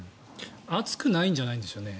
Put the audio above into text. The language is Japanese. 暑くないんじゃないんですよね。